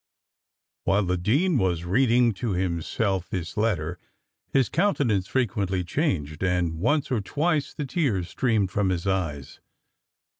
While the dean was reading to himself this letter, his countenance frequently changed, and once or twice the tears streamed from his eyes.